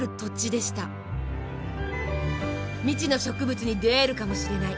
未知の植物に出会えるかもしれない。